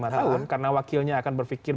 lima tahun karena wakilnya akan berpikir